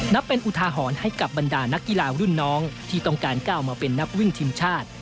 นับเป็นอุทาหรณ์ให้กับบรรดานักกีฬารุ่นน้องที่ต้องการก้าวมาเป็นนักวิ่งทีมชาติ